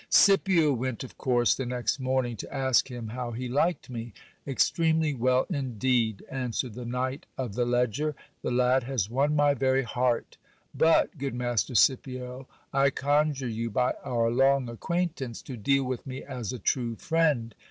Scipio went of course the next morning, to ask him how he liked me. Ex tremely well indeed, answered the knight of the ledger ; the lad has won my very heart. But, good master Scipio, I conjure you by our long acquaintance to deal with me as a true friend.